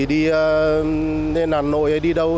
đi nền nội hay đi đâu